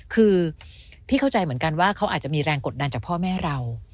คือพี่เข้าใจเหมือนกันว่าเขาอาจจะมีแรงกดดันจากพ่อแม่เรา